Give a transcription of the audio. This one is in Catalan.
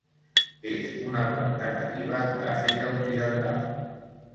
És una planta nativa d'Àfrica Occidental.